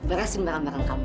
beresin merang merang kamu